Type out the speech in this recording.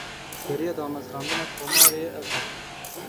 Beriya damezrandina komarê ev hebû.